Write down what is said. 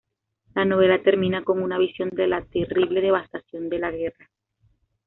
La novela termina con una visión de la terrible devastación de la guerra.